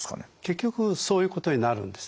結局そういうことになるんですね。